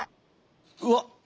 うわっ！